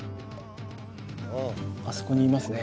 あそこにいますね。